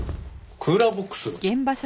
クーラーボックス？